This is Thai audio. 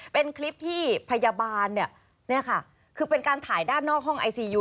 เป็นคลิปที่พยาบาลเป็นการถ่ายด้านนอกห้องไอซียู